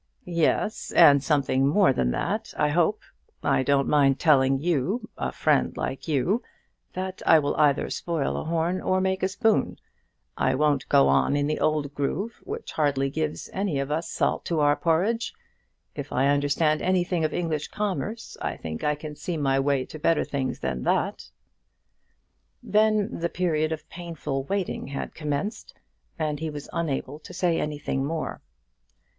"Yes; and something more than that I hope. I don't mind telling you, a friend like you, that I will either spoil a horn or make a spoon. I won't go on in the old groove, which hardly gives any of us salt to our porridge. If I understand anything of English commerce, I think I can see my way to better things than that." Then the period of painful waiting had commenced, and he was unable to say anything more.